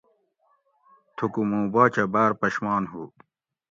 تُھوکُو مُو باچہ بار پشمان ہُو